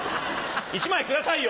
１枚くださいよ！